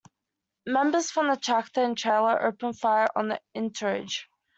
Members from the tractor and trailer opened fire on the entourage.